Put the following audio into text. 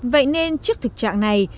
vậy nên trước thực trạng này